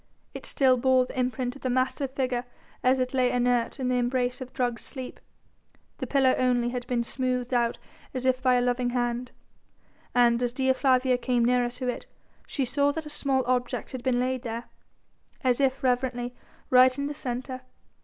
It still bore the imprint of the massive figure as it lay inert in the embrace of drugged sleep. The pillow only had been smoothed out as if by a loving hand, and as Dea Flavia came nearer to it she saw that a small object had been laid there, as if reverently, right in the centre.